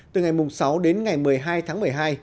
từ ngày sáu đến ngày một mươi hai tháng một mươi hai